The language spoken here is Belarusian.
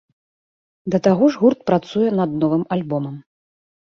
Да таго ж гурт працуе над новым альбомам.